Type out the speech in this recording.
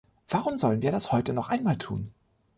Warum sollen wir das heute noch einmal tun?